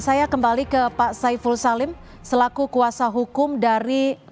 saya kembali ke pak saiful salim selaku kuasa hukum dari